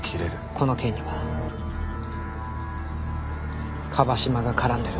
この件には椛島が絡んでる。